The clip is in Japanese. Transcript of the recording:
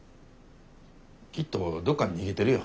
きっとどっかに逃げてるよ。